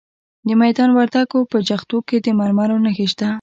د میدان وردګو په جغتو کې د مرمرو نښې شته.